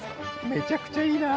めちゃくちゃいいなあ。